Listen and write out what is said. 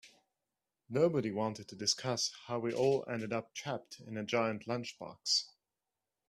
Nobody wanted to discuss how we all ended up trapped in a giant lunchbox.